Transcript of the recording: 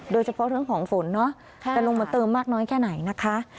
โดยเฉพาะเรื่องของฝนเนาะจะลงมาเติมมากน้อยแค่ไหนนะคะ